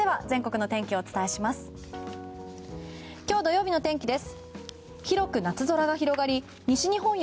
明日、日曜日の天気です。